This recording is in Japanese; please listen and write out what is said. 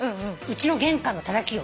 うちの玄関のたたき